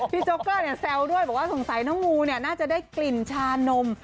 พี่โจ๊กเกอร์เนี่ยแซวด้วยบอกว่าสงสัยน้องงูเนี่ยน่าจะได้กลิ่นชานม